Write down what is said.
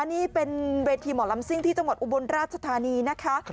นี่เป็นเวทีหมอลำซิ่งที่จังหวัดอุบลราชธานีนะคะ